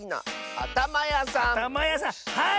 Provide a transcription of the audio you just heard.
あたまやさんはい！